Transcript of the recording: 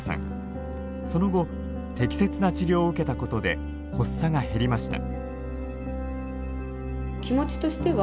その後適切な治療を受けたことで発作が減りました。